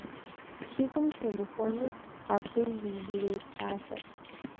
Си гум темыхуэнур абы и иужьрей псалъэрт.